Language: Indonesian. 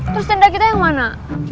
terus tenda kita yang mana